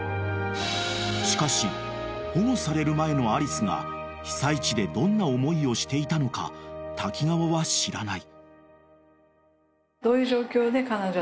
［しかし保護される前のアリスが被災地でどんな思いをしていたのか滝川は知らない］